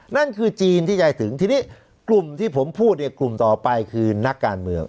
นั่นคือจีนที่จะถึงทีนี้กลุ่มที่ผมพูดเนี่ยกลุ่มต่อไปคือนักการเมือง